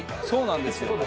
そうなんですよ。